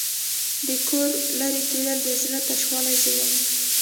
د کوره لرې کېدل د زړه تشوالی زېږوي.